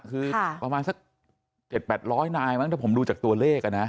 คือประมาณสักเจ็ดแบดร้อยนายมั้งถ้าผมดูจากตัวเลขนะ